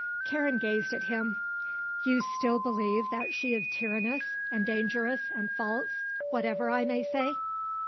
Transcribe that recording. Karen gazed at him. "You will still believe that she is tyrannous, and dangerous, and false, whatever I may say?"